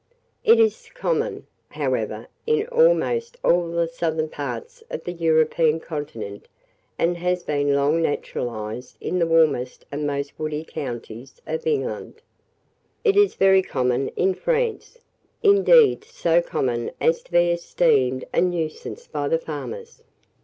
It is common, however, in almost all the southern parts of the European continent, and has been long naturalized in the warmest and most woody counties of England. It is very common in France; indeed, so common as to be esteemed a nuisance by the farmers.